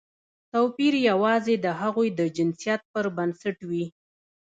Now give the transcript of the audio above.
توپیر یوازې د هغوی د جنسیت پر بنسټ وي.